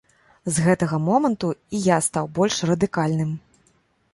З гэтага моманту і я стаў больш радыкальным.